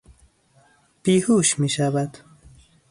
بیهوش میشود